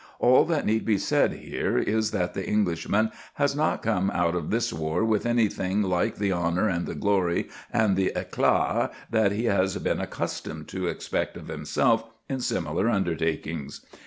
All that need be said here is that the Englishman has not come out of this war with anything like the honour and the glory and the éclat that he has been accustomed to expect of himself in similar undertakings.